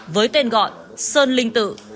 với tên gọi sơn linh tự